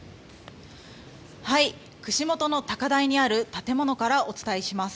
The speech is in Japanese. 串本の高台にある建物からお伝えします。